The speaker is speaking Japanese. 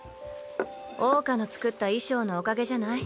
桜花の作った衣装のおかげじゃない？